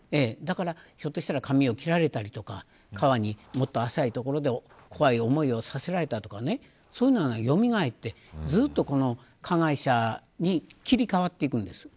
ひょっとしたら髪を切られたりとか川のもっと浅いところで怖い思いをさせられたとかそういうのが、よみがえってずっと加害者に切り替わっていくんです。